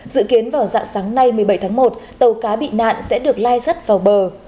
dự kiến vào dạng sáng nay một mươi bảy tháng một tàu cá bị nạn sẽ được lai rắt vào bờ